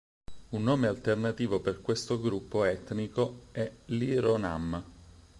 Un nome alternativo per questo gruppo etnico è Le-ro-nam.